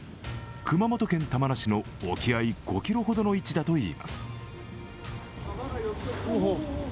熊本県玉名市の沖合５ｋｍほどの位置だといいます。